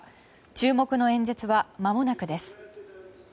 注目の演説はまもなくです。